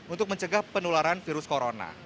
untuk mencegah penularan virus corona